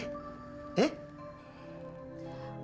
udah terserah bang ya